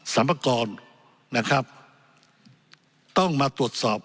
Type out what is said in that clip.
สรรพากรนะครับต้องมาตรวจสอบ